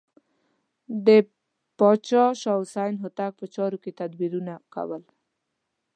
د پاچا شاه حسین هوتک په چارو کې تدبیرونه کول.